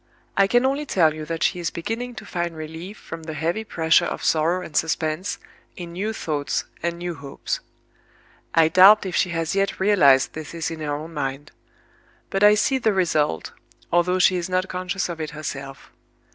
I can only tell you that she is beginning to find relief from the heavy pressure of sorrow and suspense in new thoughts and new hopes. I doubt if she has yet realized this in her own mind; but I see the result, although she is not conscious of it herself.